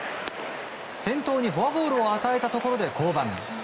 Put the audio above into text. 先頭にフォアボールを与えたところで降板。